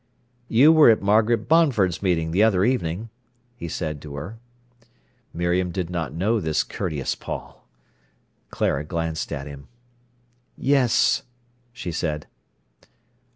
"You were at Margaret Bonford's meeting the other evening," he said to her. Miriam did not know this courteous Paul. Clara glanced at him. "Yes," she said.